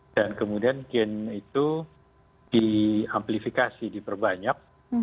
kemudian gen itu diamplifikasi diperbanyak